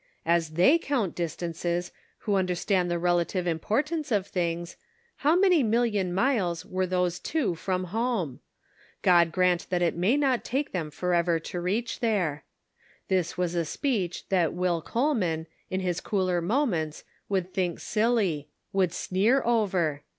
As they count distances, who un derstand the relative importance of things, how many million miles were those two from home ? God grant that it may not take them forever to reach there ! This was a speech that Will Coleman, in his cooler moments, would think silly ; would sneer over.